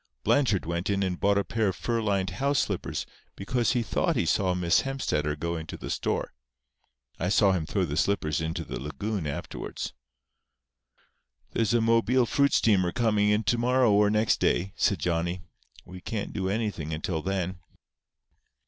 Blanchard went in and bought a pair of fur lined house slippers because he thought he saw Miss Hemstetter go into the store. I saw him throw the slippers into the lagoon afterwards." "There's a Mobile fruit steamer coming in to morrow or next day," said Johnny. "We can't do anything until then."